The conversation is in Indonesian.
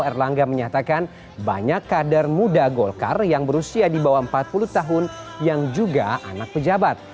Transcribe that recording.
erlangga menyatakan banyak kader muda golkar yang berusia di bawah empat puluh tahun yang juga anak pejabat